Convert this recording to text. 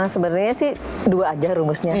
sebenarnya sih dua aja rumusnya